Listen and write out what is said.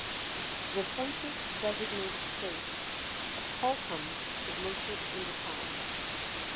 The census-designated place of Holcombe is located in the town.